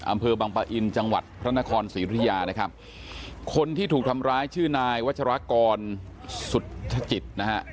อำเภอบังปะอินจังหวัดพระนครศรีอุทยานะครับคนที่ถูกทำร้ายชื่อนายวัชรากรสุธจิตนะฮะ